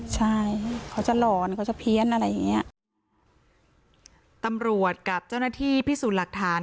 ใช่เขาจะหลอนเขาจะเพี้ยนอะไรอย่างเงี้ยตำรวจกับเจ้าหน้าที่พิสูจน์หลักฐาน